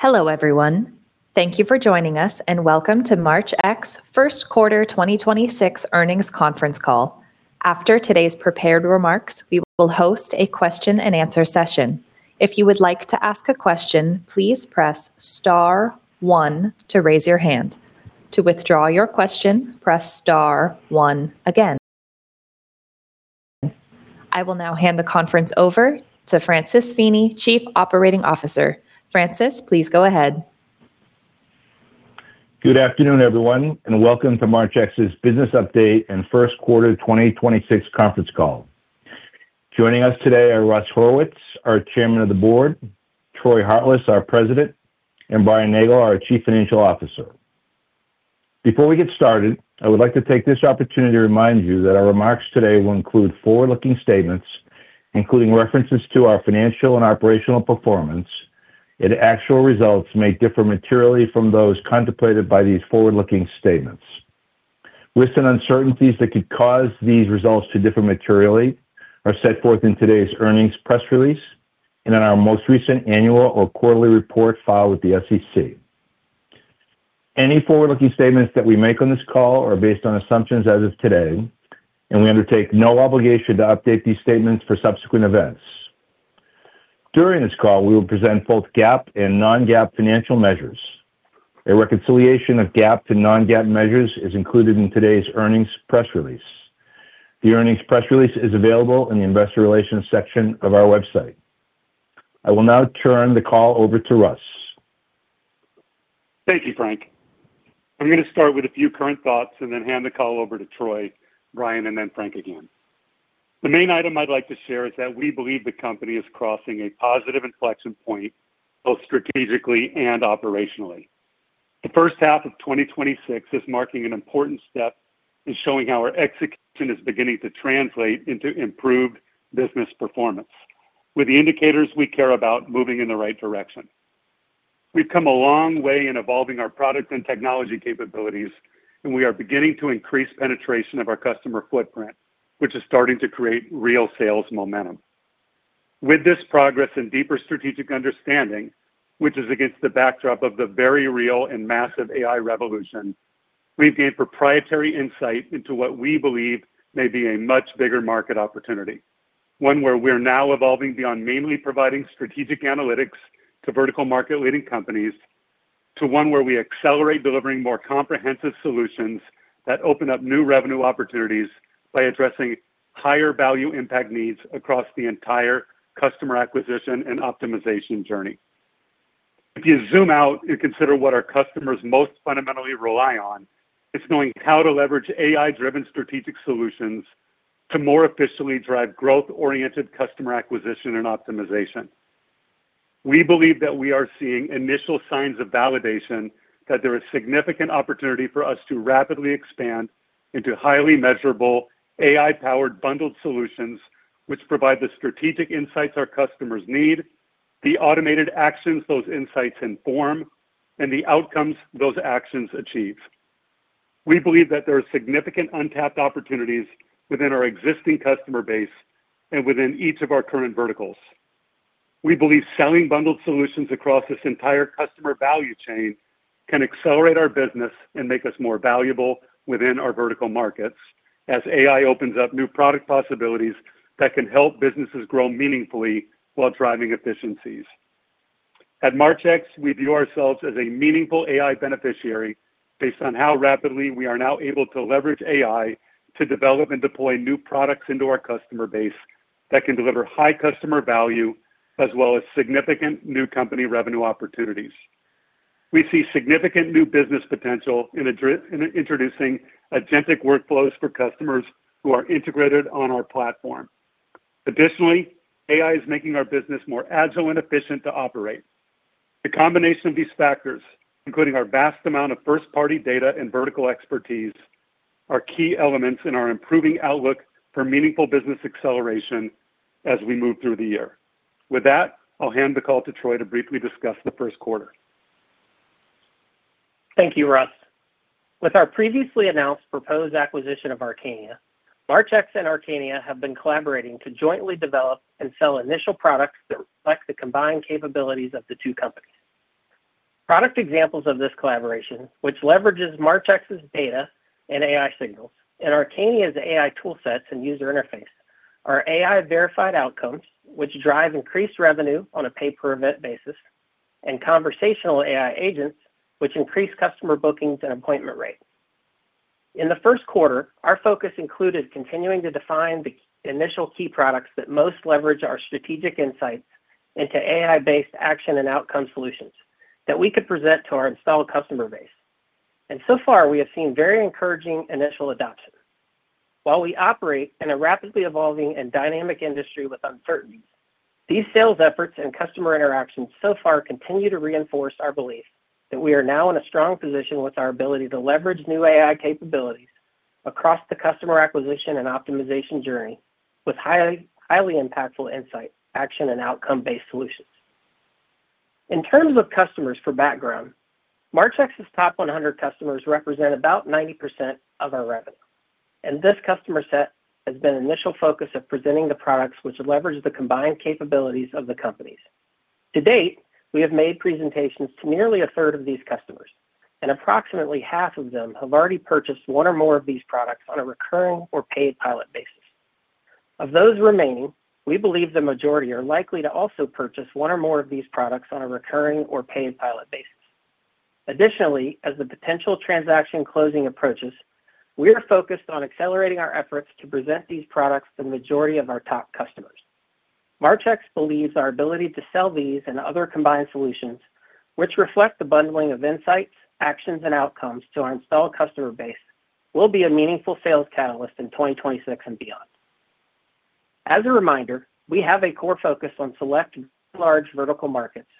Hello, everyone. Thank you for joining us, welcome to Marchex First Quarter 2026 Earnings Conference Call. After today's prepared remarks, we will host a question and answer session. If you would like to ask a question, please press star one to raise your hand. To withdraw your question, press star one again. I will now hand the conference over to Francis Feeney, Chief Operating Officer. Francis, please go ahead. Good afternoon, everyone, and welcome to Marchex's business update and first quarter 2026 conference call. Joining us today are Russell Horowitz, our Chairman of the Board; Troy Hartless, our President; and Brian Nagle, our Chief Financial Officer. Before we get started, I would like to take this opportunity to remind you that our remarks today will include forward-looking statements, including references to our financial and operational performance, and actual results may differ materially from those contemplated by these forward-looking statements. Risks and uncertainties that could cause these results to differ materially are set forth in today's earnings press release and in our most recent annual or quarterly report filed with the SEC. Any forward-looking statements that we make on this call are based on assumptions as of today, and we undertake no obligation to update these statements for subsequent events. During this call, we will present both GAAP and non-GAAP financial measures. A reconciliation of GAAP to non-GAAP measures is included in today's earnings press release. The earnings press release is available in the investor relations section of our website. I will now turn the call over to Russ. Thank you, Frank. I'm gonna start with a few current thoughts and then hand the call over to Troy, Brian, and then Frank again. The main item I'd like to share is that we believe the company is crossing a positive inflection point both strategically and operationally. The first half of 2026 is marking an important step in showing how our execution is beginning to translate into improved business performance, with the indicators we care about moving in the right direction. We've come a long way in evolving our product and technology capabilities, and we are beginning to increase penetration of our customer footprint, which is starting to create real sales momentum. With this progress and deeper strategic understanding, which is against the backdrop of the very real and massive AI revolution, we've gained proprietary insight into what we believe may be a much bigger market opportunity. One where we're now evolving beyond mainly providing strategic analytics to vertical market-leading companies to one where we accelerate delivering more comprehensive solutions that open up new revenue opportunities by addressing higher value impact needs across the entire customer acquisition and optimization journey. If you zoom out and consider what our customers most fundamentally rely on, it's knowing how to leverage AI-driven strategic solutions to more efficiently drive growth-oriented customer acquisition and optimization. We believe that we are seeing initial signs of validation that there is significant opportunity for us to rapidly expand into highly measurable AI-powered bundled solutions which provide the strategic insights our customers need, the automated actions those insights inform, and the outcomes those actions achieve. We believe that there are significant untapped opportunities within our existing customer base and within each of our current verticals. We believe selling bundled solutions across this entire customer value chain can accelerate our business and make us more valuable within our vertical markets as AI opens up new product possibilities that can help businesses grow meaningfully while driving efficiencies. At Marchex, we view ourselves as a meaningful AI beneficiary based on how rapidly we are now able to leverage AI to develop and deploy new products into our customer base that can deliver high customer value as well as significant new company revenue opportunities. We see significant new business potential in introducing agentic workflows for customers who are integrated on our platform. AI is making our business more agile and efficient to operate. The combination of these factors, including our vast amount of first-party data and vertical expertise, are key elements in our improving outlook for meaningful business acceleration as we move through the year. With that, I'll hand the call to Troy to briefly discuss the first quarter. Thank you, Russell Horowitz. With our previously announced proposed acquisition of Archenia. Marchex and Archenia have been collaborating to jointly develop and sell initial products that reflect the combined capabilities of the two companies. Product examples of this collaboration, which leverages Marchex's data and AI signals and Archenia's AI tool sets and user interface, are AI-verified outcomes, which drive increased revenue on a pay-per-event basis, and conversational AI agents, which increase customer bookings and appointment rates. In the first quarter, our focus included continuing to define the initial key products that most leverage our strategic insights into AI-based action and outcome solutions that we could present to our installed customer base. So far, we have seen very encouraging initial adoption. While we operate in a rapidly evolving and dynamic industry with uncertainties, these sales efforts and customer interactions so far continue to reinforce our belief that we are now in a strong position with our ability to leverage new AI capabilities across the customer acquisition and optimization journey with highly impactful insight, action, and outcome-based solutions. In terms of customers for background, Marchex's top 100 customers represent about 90% of our revenue. This customer set has been initial focus of presenting the products which leverage the combined capabilities of the companies. To date, we have made presentations to nearly a third of these customers, and approximately half of them have already purchased one or more of these products on a recurring or paid pilot basis. Of those remaining, we believe the majority are likely to also purchase one or more of these products on a recurring or paid pilot basis. Additionally, as the potential transaction closing approaches, we are focused on accelerating our efforts to present these products to the majority of our top customers. Marchex believes our ability to sell these and other combined solutions, which reflect the bundling of insights, actions, and outcomes to our installed customer base, will be a meaningful sales catalyst in 2026 and beyond. As a reminder, we have a core focus on select large vertical markets,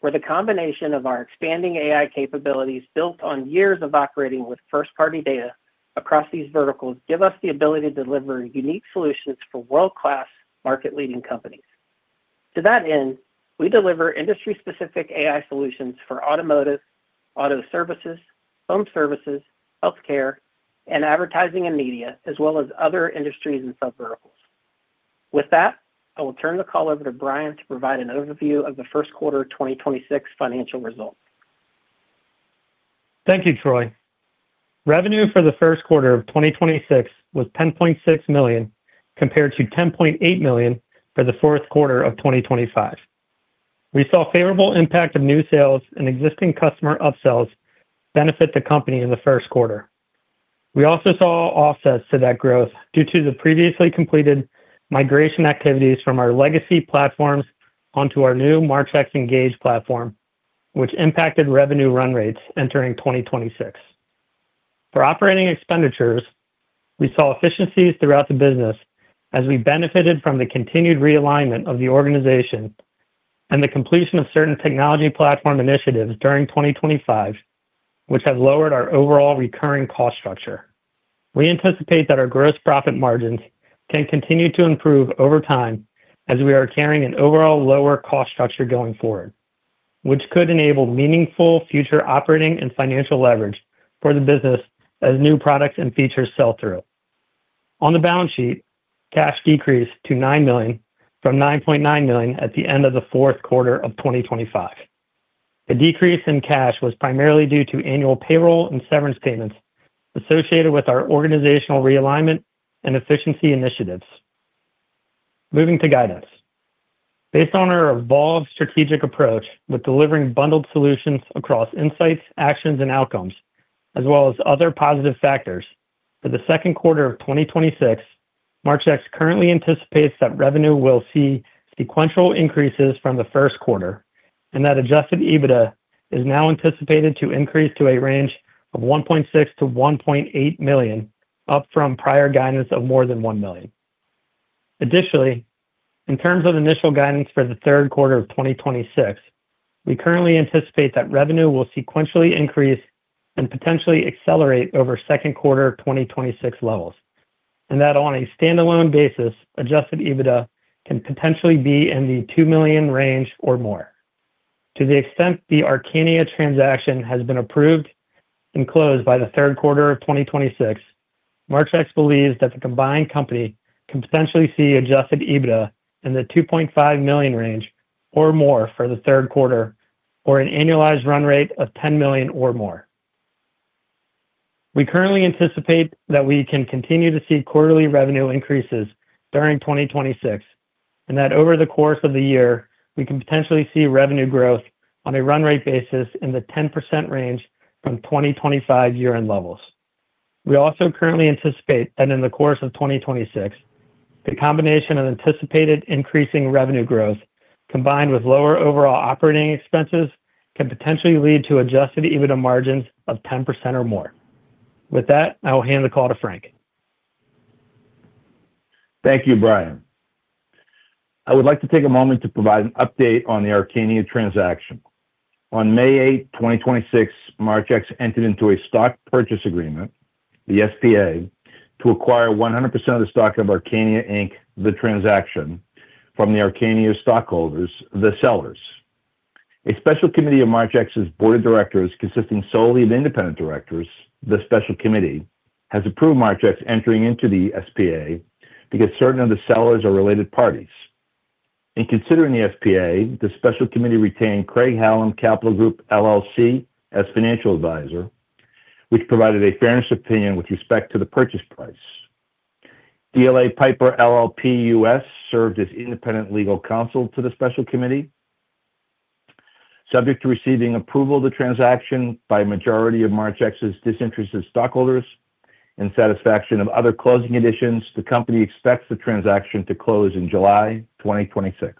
where the combination of our expanding AI capabilities built on years of operating with first-party data across these verticals give us the ability to deliver unique solutions for world-class market-leading companies. To that end, we deliver industry-specific AI solutions for automotive, auto services, home services, healthcare, and advertising and media, as well as other industries and subverticals. With that, I will turn the call over to Brian to provide an overview of the first quarter of 2026 financial results. Thank you, Troy. Revenue for the first quarter of 2026 was $10.6 million, compared to $10.8 million for the fourth quarter of 2025. We saw favorable impact of new sales and existing customer upsells benefit the company in the first quarter. We also saw offsets to that growth due to the previously completed migration activities from our legacy platforms onto our new Marchex Engage platform, which impacted revenue run rates entering 2026. For operating expenditures, we saw efficiencies throughout the business as we benefited from the continued realignment of the organization and the completion of certain technology platform initiatives during 2025, which have lowered our overall recurring cost structure. We anticipate that our gross profit margins can continue to improve over time as we are carrying an overall lower cost structure going forward, which could enable meaningful future operating and financial leverage for the business as new products and features sell through. On the balance sheet, cash decreased to $9 million from $9.9 million at the end of the fourth quarter of 2025. The decrease in cash was primarily due to annual payroll and severance payments associated with our organizational realignment and efficiency initiatives. Moving to guidance. Based on our evolved strategic approach with delivering bundled solutions across insights, actions, and outcomes, as well as other positive factors, for the second quarter of 2026, Marchex currently anticipates that revenue will see sequential increases from the first quarter, and that adjusted EBITDA is now anticipated to increase to a range of $1.6 million-$1.8 million, up from prior guidance of more than $1 million. Additionally, in terms of initial guidance for the third quarter of 2026, we currently anticipate that revenue will sequentially increase and potentially accelerate over second quarter of 2026 levels, and that on a standalone basis, adjusted EBITDA can potentially be in the $2 million range or more. To the extent the Archenia transaction has been approved and closed by the third quarter of 2026, Marchex believes that the combined company can potentially see adjusted EBITDA in the $2.5 million range or more for the third quarter or an annualized run rate of $10 million or more. We currently anticipate that we can continue to see quarterly revenue increases during 2026, and that over the course of the year, we can potentially see revenue growth on a run rate basis in the 10% range from 2025 year-end levels. We also currently anticipate that in the course of 2026, the combination of anticipated increasing revenue growth combined with lower overall operating expenses can potentially lead to adjusted EBITDA margins of 10% or more. With that, I will hand the call to Frank. Thank you, Brian. I would like to take a moment to provide an update on the Archenia transaction. On May 8, 2026, Marchex entered into a stock purchase agreement, the SPA, to acquire 100% of the stock of Archenia, Inc., the transaction, from the Archenia stockholders, the sellers. A special committee of Marchex's board of directors consisting solely of independent directors, the special committee, has approved Marchex entering into the SPA because certain of the sellers are related parties. In considering the SPA, the special committee retained Craig-Hallum Capital Group, LLC as financial advisor, which provided a fairness opinion with respect to the purchase price. DLA Piper LLP (US) served as independent legal counsel to the special committee. Subject to receiving approval of the transaction by a majority of Marchex's disinterested stockholders and satisfaction of other closing additions, the company expects the transaction to close in July 2026.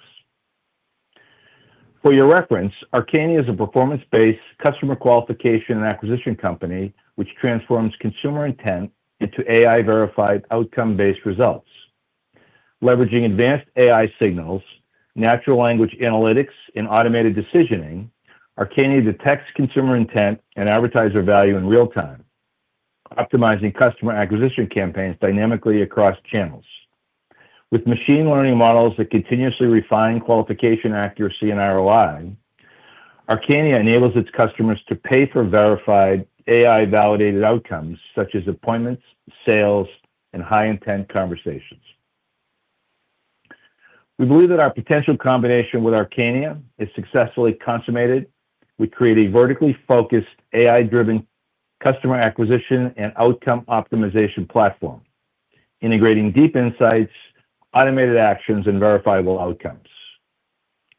For your reference, Archenia is a performance-based customer qualification and acquisition company which transforms consumer intent into AI-verified outcome-based results. Leveraging advanced AI signals, natural language analytics, and automated decisioning, Archenia detects consumer intent and advertiser value in real time, optimizing customer acquisition campaigns dynamically across channels. With machine learning models that continuously refine qualification accuracy and ROI, Archenia enables its customers to pay for verified AI-verified outcomes, such as appointments, sales, and high-intent conversations. We believe that our potential combination with Archenia is successfully consummated. We create a vertically focused AI-driven customer acquisition and outcome optimization platform, integrating deep insights, automated actions, and verifiable outcomes.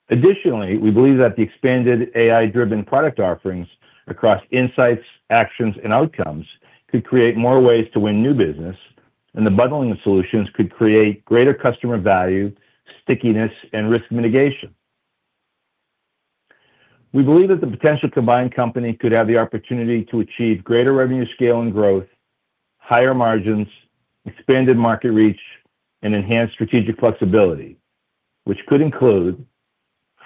Additionally, we believe that the expanded AI-driven product offerings across insights, actions, and outcomes could create more ways to win new business, and the bundling of solutions could create greater customer value, stickiness, and risk mitigation. We believe that the potential combined company could have the opportunity to achieve greater revenue scale and growth, higher margins, expanded market reach, and enhanced strategic flexibility, which could include,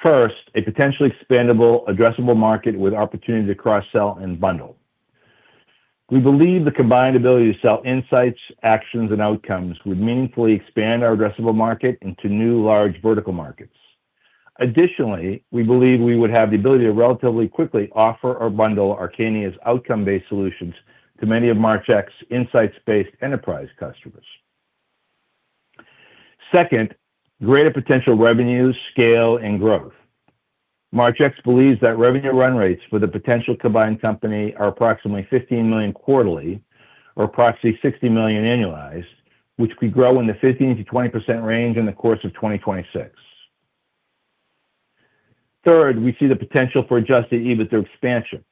first, a potentially expandable addressable market with opportunity to cross-sell and bundle. We believe the combined ability to sell insights, actions, and outcomes would meaningfully expand our addressable market into new large vertical markets. Additionally, we believe we would have the ability to relatively quickly offer or bundle Archenia's outcome-based solutions to many of Marchex's insights-based enterprise customers. Second, greater potential revenues, scale, and growth. Marchex believes that revenue run rates for the potential combined company are approximately $15 million quarterly or approximately $60 million annualized, which could grow in the 15%-20% range in the course of 2026. Third, we see the potential for adjusted EBITDA expansion.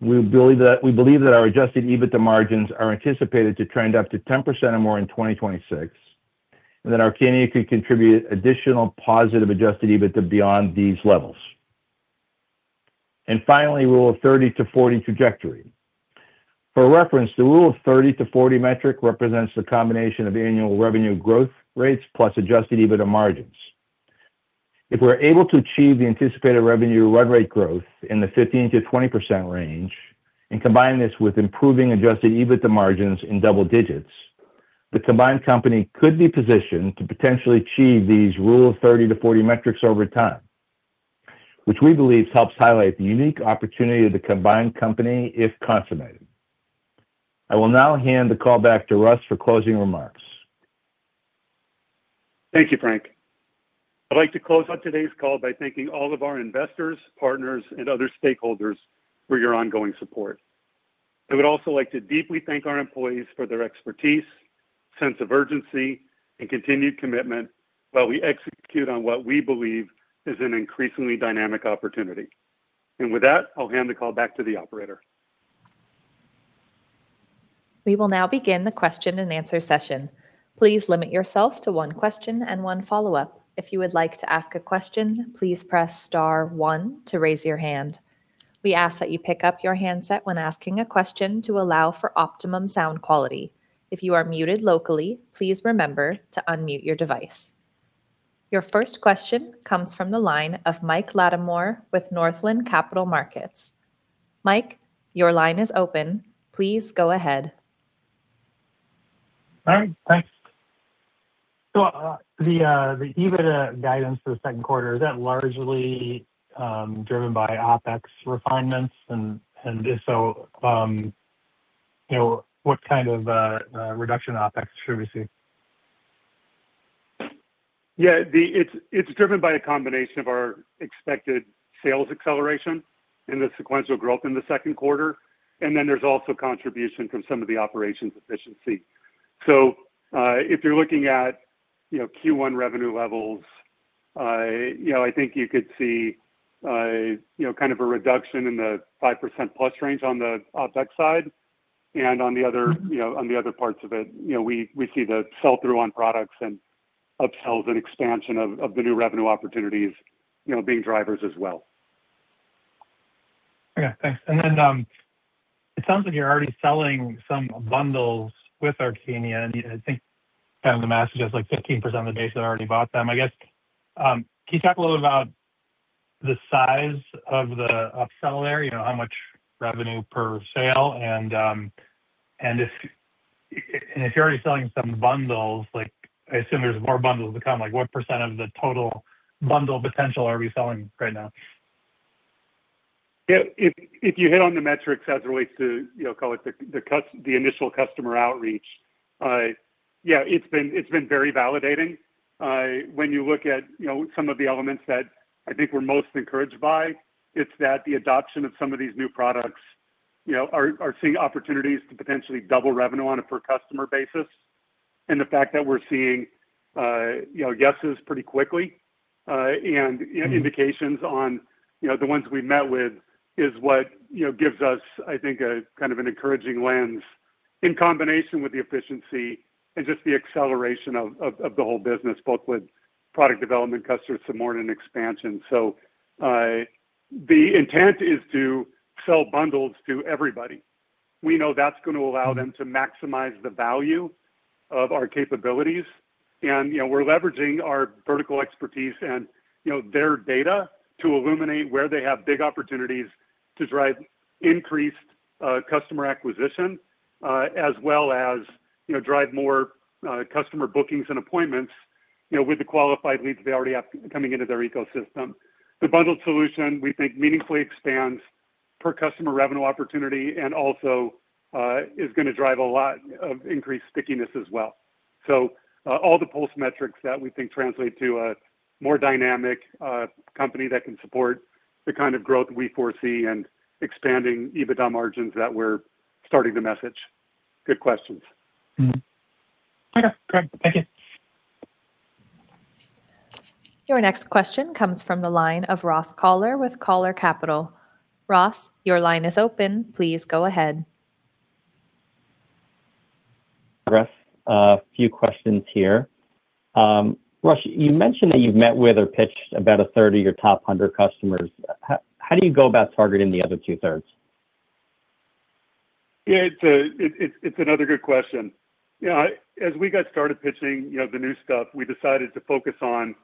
We believe that our adjusted EBITDA margins are anticipated to trend up to 10% or more in 2026, and that Archenia could contribute additional positive adjusted EBITDA beyond these levels. Finally, Rule of 30 to 40 trajectory. For reference, the Rule of 30 to 40 metric represents the combination of annual revenue growth rates plus adjusted EBITDA margins. If we're able to achieve the anticipated revenue run rate growth in the 15%-20% range and combine this with improving adjusted EBITDA margins in double digits, the combined company could be positioned to potentially achieve these Rule of 30-40 metrics over time, which we believe helps highlight the unique opportunity of the combined company if consummated. I will now hand the call back to Russ for closing remarks. Thank you, Frank. I'd like to close out today's call by thanking all of our investors, partners, and other stakeholders for your ongoing support. I would also like to deeply thank our employees for their expertise, sense of urgency, and continued commitment while we execute on what we believe is an increasingly dynamic opportunity. With that, I'll hand the call back to the operator. We will now begin the question-and-answer session. Please limit yourself to one question and one follow-up. If you would like to ask a question, please press star one to raise your hand. We ask that you pick up your handset when asking a question to allow for optimum sound quality. If you are muted locally, please remember to unmute your device. Your first question comes from the line of Michael Latimore with Northland Capital Markets. Mike, your line is open. Please go ahead. All right, thanks. The EBITDA guidance for the second quarter, is that largely driven by OpEx refinements? If so, you know, what kind of reduction in OpEx should we see? Yeah, it's driven by a combination of our expected sales acceleration and the sequential growth in the second quarter. There's also contribution from some of the operations efficiency. If you're looking at, you know, Q1 revenue levels, you know, I think you could see, you know, kind of a reduction in the 5% plus range on the OpEx side. On the other, you know, on the other parts of it, you know, we see the sell-through on products and upsells and expansion of the new revenue opportunities, you know, being drivers as well. Okay, thanks. Then it sounds like you're already selling some bundles with Archenia. I think kind of the message is like 15% of the base that already bought them. I guess, can you talk a little about the size of the upsell there? You know, how much revenue per sale? If you're already selling some bundles, like, I assume there's more bundles to come. Like, what percent of the total bundle potential are we selling right now? Yeah, if you hit on the metrics as it relates to, you know, call it the initial customer outreach, yeah, it's been very validating. When you look at, you know, some of the elements that I think we're most encouraged by, it's that the adoption of some of these new products, you know, are seeing opportunities to potentially double revenue on a per customer basis. The fact that we're seeing, you know, yeses pretty quickly, and indications on, you know, the ones we've met with is what, you know, gives us, I think, a kind of an encouraging lens in combination with the efficiency and just the acceleration of the whole business, both with product development, customer subordinate expansion. The intent is to sell bundles to everybody. We know that's gonna allow them to maximize the value of our capabilities. You know, we're leveraging our vertical expertise and, you know, their data to illuminate where they have big opportunities to drive increased customer acquisition as well as, you know, drive more customer bookings and appointments, you know, with the qualified leads they already have coming into their ecosystem. The bundled solution, we think meaningfully expands per customer revenue opportunity and also is gonna drive a lot of increased stickiness as well. All the pulse metrics that we think translate to a more dynamic company that can support the kind of growth we foresee and expanding EBITDA margins that we're starting to message. Good questions. Mm-hmm. Okay, great. Thank you. Your next question comes from the line of Ross Koller with Koller Capital. Ross, your line is open. Please go ahead. Russ, a few questions here. Russ, you mentioned that you've met with or pitched about a third of your top 100 customers. How do you go about targeting the other two thirds? Yeah, it's another good question. You know, as we got started pitching, you know, the new stuff, we decided to focus on,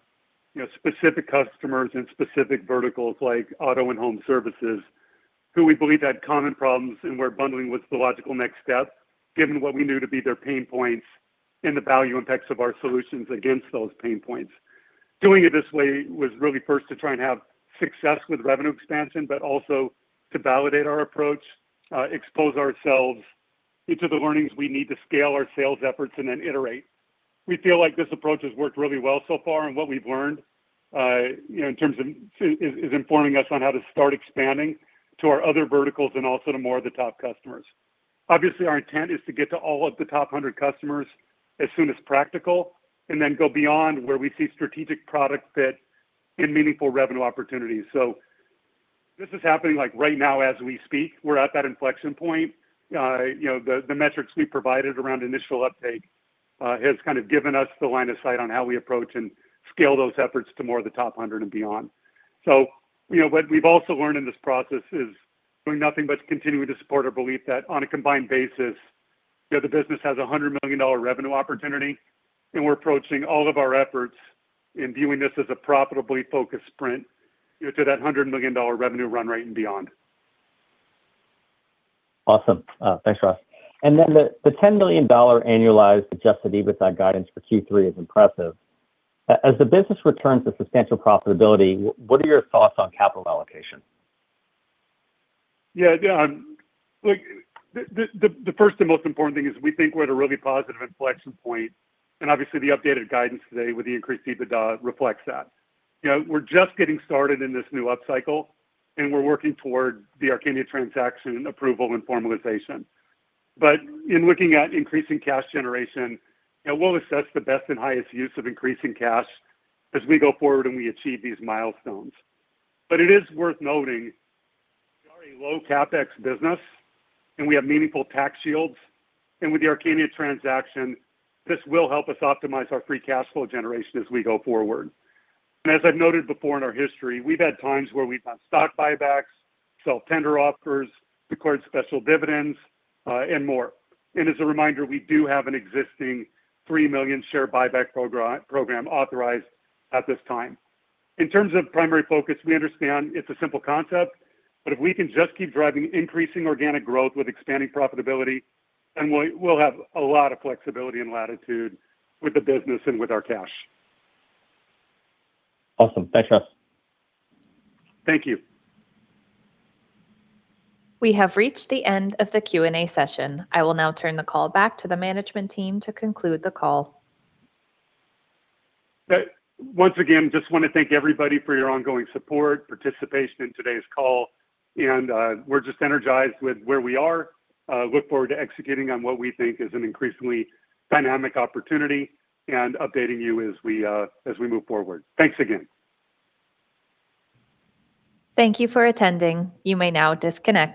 you know, specific customers and specific verticals like auto and home services who we believe had common problems and where bundling was the logical next step, given what we knew to be their pain points and the value and text of our solutions against those pain points. Doing it this way was really first to try and have success with revenue expansion, also to validate our approach, expose ourselves into the learnings we need to scale our sales efforts and then iterate. We feel like this approach has worked really well so far. What we've learned, you know, in terms of is informing us on how to start expanding to our other verticals and also to more of the top customers. Obviously, our intent is to get to all of the top 100 customers as soon as practical, then go beyond where we see strategic product fit and meaningful revenue opportunities. This is happening, like, right now as we speak. We're at that inflection point. You know, the metrics we provided around initial uptake has kind of given us the line of sight on how we approach and scale those efforts to more of the top 100 and beyond. You know, what we've also learned in this process is doing nothing but continuing to support our belief that on a combined basis, you know, the business has a $100 million revenue opportunity, and we're approaching all of our efforts in viewing this as a profitably focused sprint, you know, to that $100 million revenue run rate and beyond. Awesome. Thanks, Russ. The $10 million annualized adjusted EBITDA guidance for Q3 is impressive. As the business returns to substantial profitability, what are your thoughts on capital allocation? Yeah, yeah. Look, the first and most important thing is we think we're at a really positive inflection point, and obviously the updated guidance today with the increased EBITDA reflects that. You know, we're just getting started in this new upcycle, and we're working toward the Archenia transaction approval and formalization. In looking at increasing cash generation, you know, we'll assess the best and highest use of increasing cash as we go forward and we achieve these milestones. It is worth noting we are a low CapEx business, and we have meaningful tax shields. With the Archenia transaction, this will help us optimize our free cash flow generation as we go forward. As I've noted before in our history, we've had times where we've done stock buybacks, self-tender offers, declared special dividends, and more. As a reminder, we do have an existing 3 million share buyback program authorized at this time. In terms of primary focus, we understand it's a simple concept, but if we can just keep driving increasing organic growth with expanding profitability, then we'll have a lot of flexibility and latitude with the business and with our cash. Awesome. Thanks, Russ. Thank you. We have reached the end of the Q&A session. I will now turn the call back to the management team to conclude the call. Once again, just wanna thank everybody for your ongoing support, participation in today's call. We're just energized with where we are. Look forward to executing on what we think is an increasingly dynamic opportunity and updating you as we move forward. Thanks again. Thank you for attending. You may now disconnect.